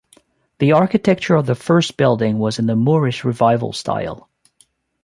The architecture of the first building was in the Moorish Revival style.